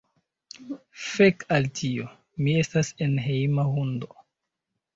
Fek' al tio. Mi estas enhejma hundo